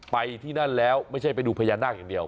ไปที่นั่นแล้วไม่ใช่ไปดูพญานาคอย่างเดียว